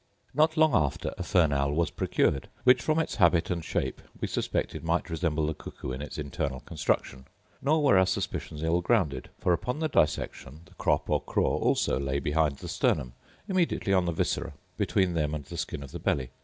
Not long after a fern owl was procured, which, from its habit and shape, we suspected might resemble the cuckoo in its internal construction. Nor were our suspicions ill grounded; for, upon the dissection, the crop, or craw, also lay behind the sternum, immediately on the viscera, between them and the skin of the belly.